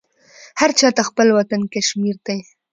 هر چا ته خپل وطن کشمیر دی